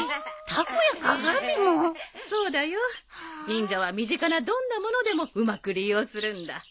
忍者は身近などんなものでもうまく利用するんだ。